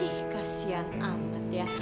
ih kasihan amat ya